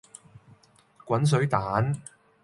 滾水蛋